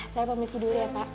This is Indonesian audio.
saya pamit tidur ya pak